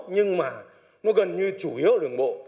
nhưng mà nó gần như chủ yếu ở đường bộ